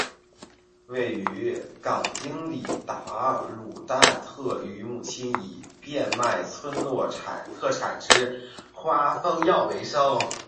位于港町里达鲁旦特与母亲以贩卖村落特产之花封药为生。